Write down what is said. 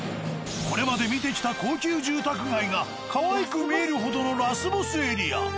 これまで見てきた高級住宅街がかわいく見えるほどのラスボスエリア。